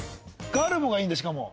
ガルボがいいんだしかも。